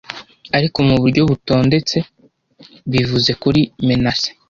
Ariko muburyo butondetse bivuze kuri menace